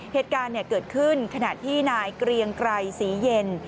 เหตุการณ์เกิดขึ้นขณะที่นายเกรียงไกรศรีเย็น